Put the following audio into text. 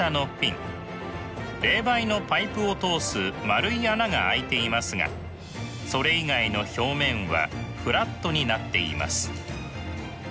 冷媒のパイプを通す円い穴が開いていますがそれ以外の表面はフラットになっています。